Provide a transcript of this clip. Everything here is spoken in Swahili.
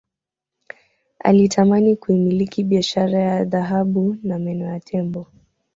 Alitamani kuimiliki biashara ya dhahabu na meno ya tembo